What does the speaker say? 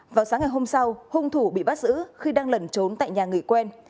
vào sáng ngày hôm sau hung thủ bị bắt giữ khi đang lẩn trốn tại nhà người quen